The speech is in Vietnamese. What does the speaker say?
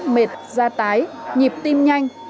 mệt da tái nhịp tim nhanh